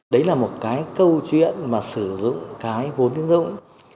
đấy là một cái câu chuyện mà sử dụng cái vốn tiên rộng